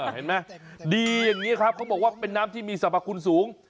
เห็นไหมดีอย่างนี้ครับเขาบอกว่าเป็นน้ำที่มีสรรพคุณสูง